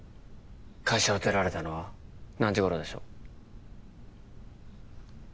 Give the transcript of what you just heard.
会社を出られたのは何時頃でしょう？